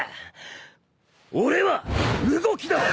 俺は動きだす！